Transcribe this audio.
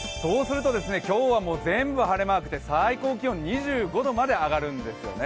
今日は全部晴れマークで最高気温２５度まで上がるんですよね。